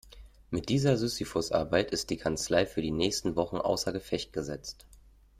Mit dieser Sisyphusarbeit ist die Kanzlei für die nächsten Wochen außer Gefecht gesetzt.